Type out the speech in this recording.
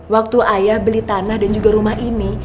waktu ayah beli tanah dan juga rumah ini